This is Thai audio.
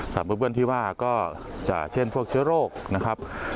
สารปนเปื้อนที่ว่าก็จะเช่นพวกเชื้อโรคนะครับ